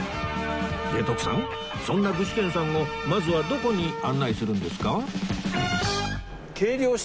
で徳さんそんな具志堅さんをまずはどこに案内するんですか？